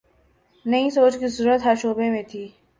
نئی سوچ کی ضرورت ہر شعبے میں تھی۔